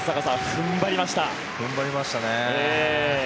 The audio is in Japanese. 踏ん張りましたね。